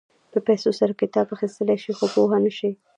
په پیسو سره کتاب اخيستلی شې خو پوهه نه شې.